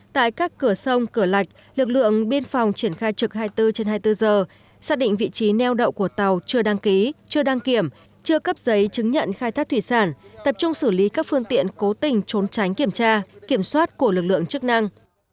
tại các cửa sông cửa lạch lực lượng biên phòng triển khai trực hai mươi bốn trên hai mươi bốn giờ xác định vị trí neo đậu của tàu chưa đăng ký chưa đăng kiểm chưa cấp giấy chứng nhận khai thác thủy sản tập trung xử lý các phương tiện cố tình trốn tránh kiểm tra kiểm soát của lực lượng chức năng